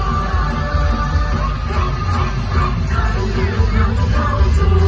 เราขึ้นกับใครด้วย